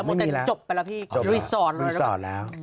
ไม่มีแล้วจบไปแล้วพี่ที่รีสอร์ทรีสอร์ทแล้ว